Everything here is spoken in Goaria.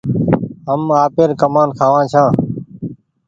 هم آپير ڪمآن کآوآن ڇآن